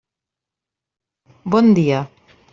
Bon dia.